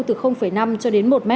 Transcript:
từ năm cho đến một m